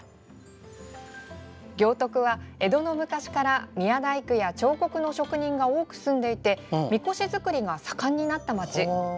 行徳は、江戸の昔から宮大工や彫刻の職人が多く住んでいて神輿作りが盛んになった町。